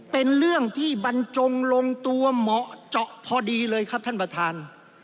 เป็นเรื่องที่บรรจงลงตัวเหมาะเจาะพอดีเลยครับท่านประธาน